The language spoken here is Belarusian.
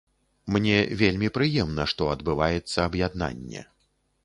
Мне вельмі прыемна, што адбываецца аб'яднанне.